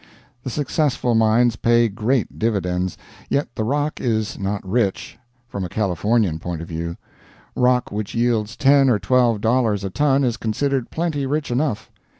The successful mines pay great dividends, yet the rock is not rich, from a Californian point of view. Rock which yields ten or twelve dollars a ton is considered plenty rich enough.